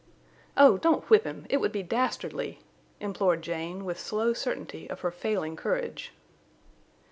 "Oh! Don't whip him! It would be dastardly!" implored Jane, with slow certainty of her failing courage.